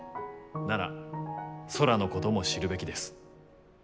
なら、空のことも知るべきです。